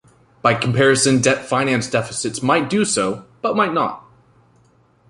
By comparison debt finance deficits might do so, but might not.